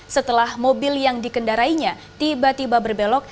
setelah mobil yang dikendarainya tiba tiba berbelok